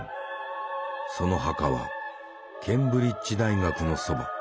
その墓はケンブリッジ大学のそば